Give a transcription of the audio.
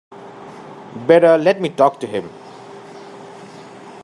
Better let me talk to him.